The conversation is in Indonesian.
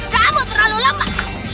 kamu terlalu lemah